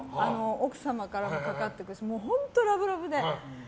奥様からもかかってくるし本当にラブラブで。